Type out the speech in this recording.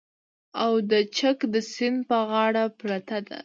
او د چک د سیند په غاړه پرته ده